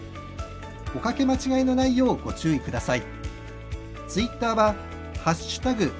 おかけ間違いのないようご注意ください。